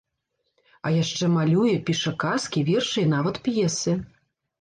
А яшчэ малюе, піша казкі, вершы і нават п'есы.